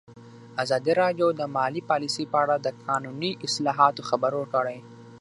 ازادي راډیو د مالي پالیسي په اړه د قانوني اصلاحاتو خبر ورکړی.